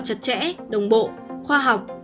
chặt chẽ đồng bộ khoa học